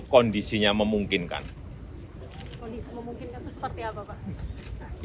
kondisi memungkinkan seperti apa pak